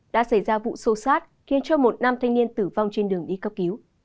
đã xảy ra vụ sâu sát khiến cho một nam thanh niên tử vong trên đường đi cấp cứu